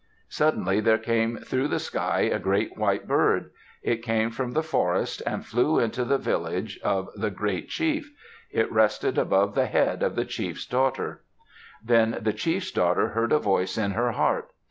Suddenly there came through the sky a great white bird. It came from the forest, and flew into the village of the great chief. It rested above the head of the chief's daughter. Then the chief's daughter heard a voice in her heart.